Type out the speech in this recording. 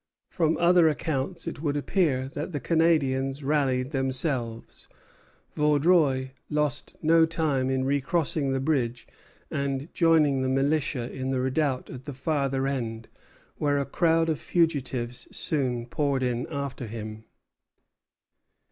From other accounts it would appear that the Canadians rallied themselves. Vaudreuil lost no time in recrossing the bridge and joining the militia in the redoubt at the farther end, where a crowd of fugitives soon poured in after him.